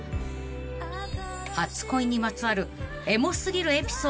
［初恋にまつわるエモ過ぎるエピソードを告白］